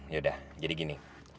yaudah jadi gini